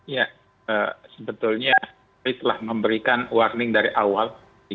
ya sebetulnya kami telah memberikan warning dari awal